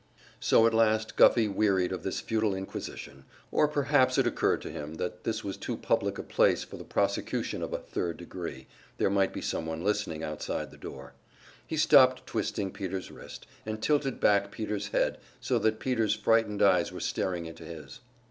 So at last Guffey wearied of this futile inquisition; or perhaps it occurred to him that this was too public a place for the prosecution of a "third degree" there might be some one listening outside the door. He stopped twisting Peter's wrist, and tilted back Peter's head so that Peter's frightened eyes were staring into his.